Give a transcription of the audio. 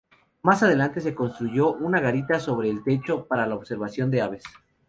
Más adelante se construyó una garita sobre el techo para la observación de aves.